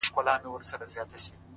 • یوه لوی کمر ته پورته سو ډېر ستړی,